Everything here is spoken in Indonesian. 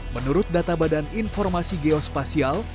menurut data badan informasi geospasial